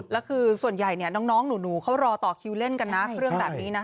แล้วคือส่วนใหญ่น้องหนูเขารอต่อคิวเล่นกันนะเครื่องแบบนี้นะ